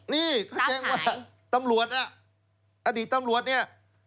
นี่เขาแจ้งว่าตำรวจน่ะอดีตตำรวจเนี่ย